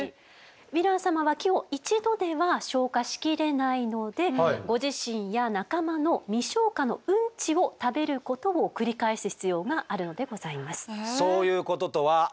ヴィラン様は木を一度では消化しきれないのでご自身や仲間の未消化のうんちを食べることを繰り返す必要があるのでございます。